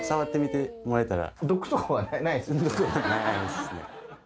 毒はないですね。